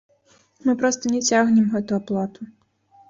Мы проста не цягнем гэту аплату.